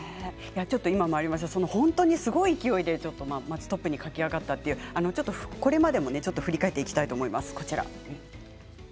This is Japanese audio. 本当にすごい勢いで駆け上がったというこれまでを振り返っていきたいと思います。